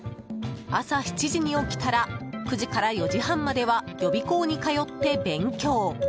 朝７時に起きたら９時から４時半までは予備校に通って勉強。